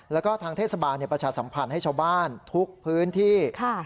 แล้วก็ทางเทศบาลประชาสัมพันธ์ให้ชาวบ้านทุกพื้นที่